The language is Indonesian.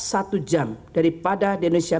satu jam daripada di indonesia